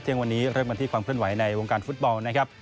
วันนี้เริ่มกันที่ความเคลื่อนไหวในวงการฟุตบอลนะครับ